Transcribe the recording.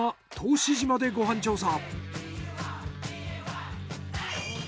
志島でご飯調査。